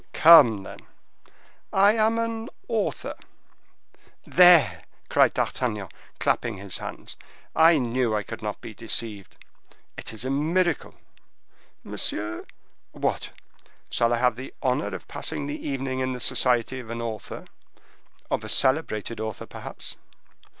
"Come, then!" "I am an author." "There!" cried D'Artagnan, clapping his hands, "I knew I could not be deceived! It is a miracle!" "Monsieur—" "What, shall I have the honor of passing the evening in the society of an author, of a celebrated author, perhaps?"